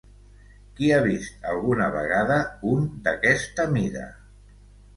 Qui ha vist alguna vegada un d'aquesta mida?